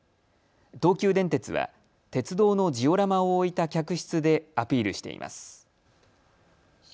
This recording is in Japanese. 東急電鉄は鉄道のジオラマを置いた客室でアピールしています。